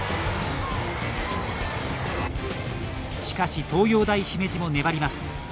しかし、東洋大姫路も粘ります。